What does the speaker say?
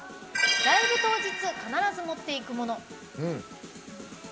ライブ当日必ず持っていくもの。